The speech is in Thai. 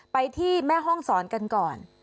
ไปที่แม่ห้องศรกันก่อน